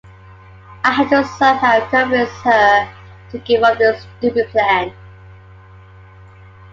I have to somehow convince her to give up this stupid plan.